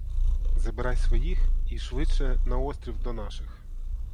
Забирай своїх і швидше на острів до наших!